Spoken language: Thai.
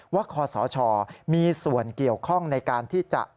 คศมีส่วนเกี่ยวข้องในการที่จะ